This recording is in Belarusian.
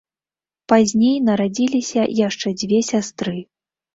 Пазней нарадзіліся яшчэ дзве сястры.